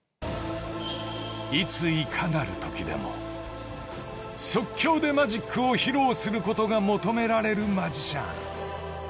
［いついかなるときでも即興でマジックを披露することが求められるマジシャン］